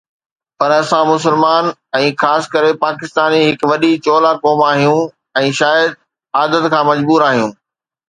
پر اسان مسلمان ۽ خاص ڪري پاڪستاني هڪ وڏي چولا قوم آهيون، يا شايد عادت کان مجبور آهيون